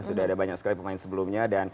sudah ada banyak sekali pemain sebelumnya